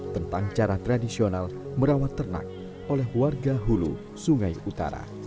tentang cara tradisional merawat ternak oleh warga hulu sungai utara